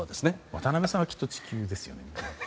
渡辺さんはきっと地球ですよね。